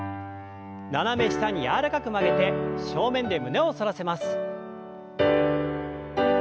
斜め下に柔らかく曲げて正面で胸を反らせます。